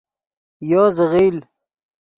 یو زیغیل